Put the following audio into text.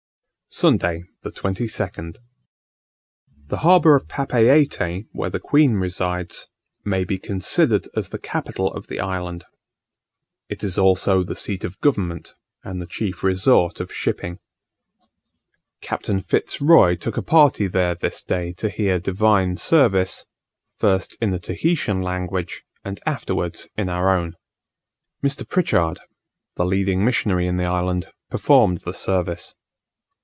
Sunday, 22nd. The harbour of Papiete, where the queen resides, may be considered as the capital of the island: it is also the seat of government, and the chief resort of shipping. Captain Fitz Roy took a party there this day to hear divine service, first in the Tahitian language, and afterwards in our own. Mr. Pritchard, the leading missionary in the island, performed the service.